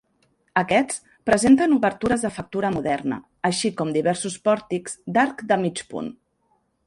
Aquests presenten obertures de factura moderna així com diversos pòrtics d'arc de mig punt.